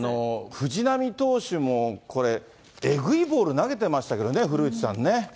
藤浪投手もこれ、えぐいボール投げてましたけどね、古内さんね。